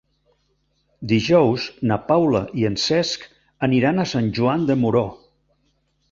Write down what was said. Dijous na Paula i en Cesc aniran a Sant Joan de Moró.